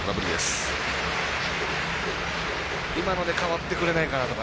今ので変わってくれないかなとか。